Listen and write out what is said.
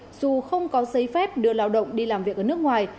một doanh nghiệp dù không có giấy phép đưa lao động đi làm việc ở nước ngoài